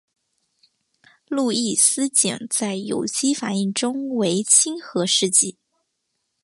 路易斯碱在有机反应中为亲核试剂。